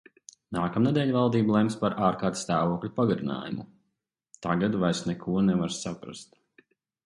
Nākamnedēļ valdība lems par ārkārtas stāvokļa pagarinājumu... tagad vairs neko nevar saprast.